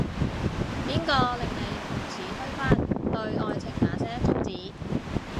邊個令你從此推翻，對愛情那些宗旨